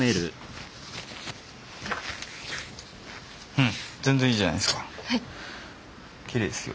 うん全然いいじゃないですか。